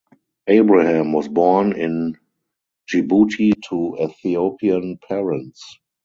Abraham was born in Djibouti to Ethiopian parents.